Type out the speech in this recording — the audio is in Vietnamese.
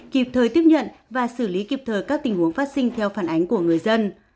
kịp thời tiếp nhận và xử lý kịp thời các tình huống phát sinh theo phản ánh của người dân